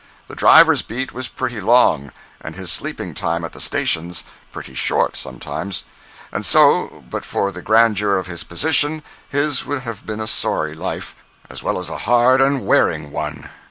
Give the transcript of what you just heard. The driver's beat was pretty long, and his sleeping time at the stations pretty short, sometimes; and so, but for the grandeur of his position his would have been a sorry life, as well as a hard and a wearing one.